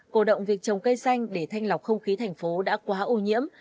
cổ động việc trồng cây xanh để thanh lọc không khí thành phố đã quá ô nhiễm